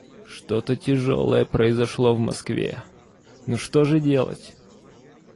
Что-то тяжелое произошло в Москве... Ну что же делать?..